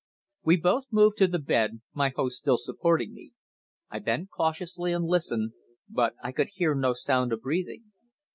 We both moved to the bed, my host still supporting me. I bent cautiously and listened, but I could hear no sound of breathing.